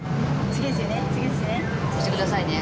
押してくださいね。